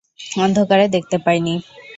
অন্ধকারে দেখতে পাই নি।